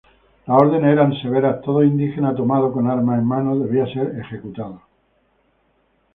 Las órdenes eran severas, todo indígena tomado con armas en mano debía ser ejecutado.